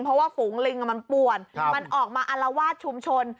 เพราะว่าฝูงลิงมันป่วนมันออกมาอารวาสชุมชน